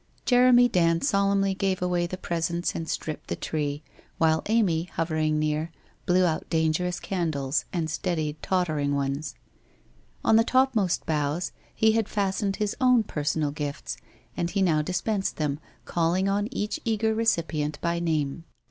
... Jeremy Dand solemnly gave away the presents and stripped the tree, while Amy, hovering near, blew out dan gerous candles and steadied tottering ones. On the topmost boughs, he had fastened his own personal gifts, and he now dispensed them, calling on each eager recipient by name.